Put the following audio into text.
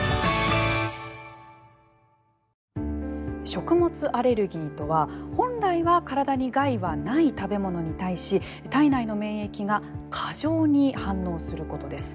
食物アレルギーとは本来は体に害はない食べ物に対し体内の免疫が過剰に反応することです。